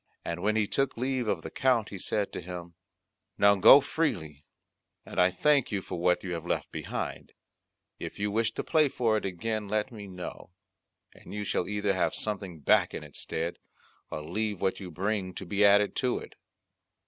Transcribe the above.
And when he took leave of the Count he said to him, "Now go freely, and I thank you for what you have left behind; if you wish to play for it again let me know, and you shall either have something back in its stead, or leave what you bring to be added to it."